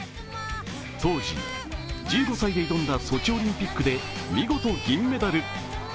当時、１５歳で挑んだソチオリンピックで見事銀メダル。